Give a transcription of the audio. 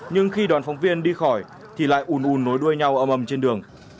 nhưng khi đoàn phóng viên đi khỏi thì lại ùn ùn nối đuôi nhau âm âm trên đường